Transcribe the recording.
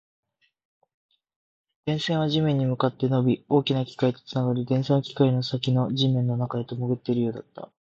電線は地面に向かって伸び、大きな機械とつながり、電線は機械の先の地面の中へと潜っているようだった